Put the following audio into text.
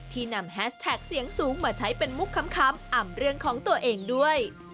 นำแฮชแท็กเสียงสูงมาใช้เป็นมุกค้ำอำเรื่องของตัวเองด้วย